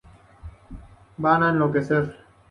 Van a enloquecer!".